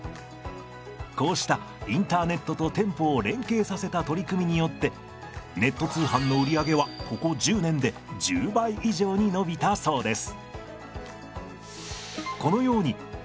こうしたインターネットと店舗を連携させた取り組みによってネット通販の売り上げはここ１０年で１０倍以上に伸びたそうです。